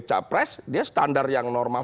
capres dia standar yang normal